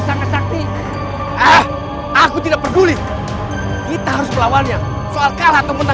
sampai jumpa di video selanjutnya